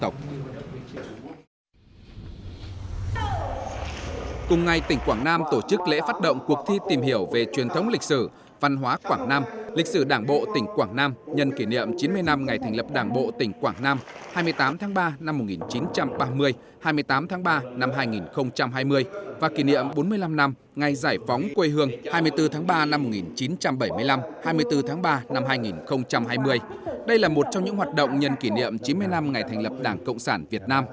cùng ngày tỉnh quảng nam tổ chức lễ phát động cuộc thi tìm hiểu về truyền thống lịch sử văn hóa quảng nam lịch sử đảng bộ tỉnh quảng nam nhân kỷ niệm chín mươi năm ngày thành lập đảng bộ tỉnh quảng nam hai mươi tám tháng ba năm một nghìn chín trăm ba mươi hai mươi tám tháng ba năm hai nghìn hai mươi và kỷ niệm bốn mươi năm năm ngày giải phóng quê hương hai mươi bốn tháng ba năm một nghìn chín trăm bảy mươi năm hai mươi bốn tháng ba năm hai nghìn hai mươi